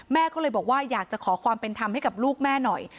แม่ก็เลยบอกว่าอยากจะขอความเป็นธรรมให้กับลูกแม่หน่อย